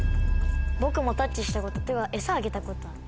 僕もタッチしたことっていうかエサあげたことある。